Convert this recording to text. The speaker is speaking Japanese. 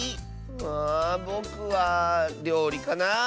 ああぼくはりょうりかなあ。